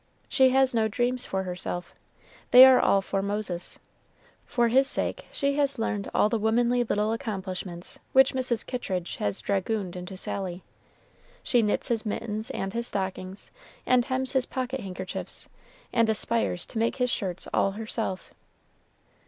She has no dreams for herself they are all for Moses. For his sake she has learned all the womanly little accomplishments which Mrs. Kittridge has dragooned into Sally. She knits his mittens and his stockings, and hems his pocket handkerchiefs, and aspires to make his shirts all herself.